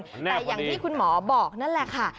แต่อย่างที่คุณหมอบอกนั่นแหละค่ะ